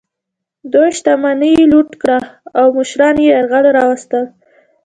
دوی شتمني یې لوټ کړه او مشران یې یرغمل راوستل.